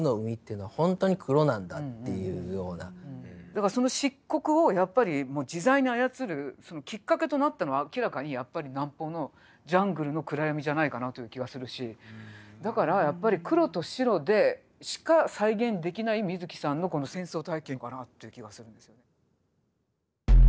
だからその漆黒をやっぱりもう自在に操るきっかけとなったのは明らかにやっぱり南方のジャングルの暗闇じゃないかなという気はするしだからやっぱり黒と白でしか再現できない水木さんのこの戦争体験かなという気がするんですよね。